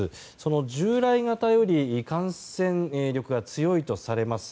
従来型より感染力が強いとされます